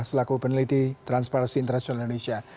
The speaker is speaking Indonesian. selaku peneliti transparansi internasional indonesia